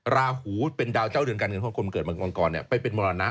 ราหูเป็นดาวเจ้าเรือนการเงินเพราะคนเกิดมังกรไปเป็นมรณะ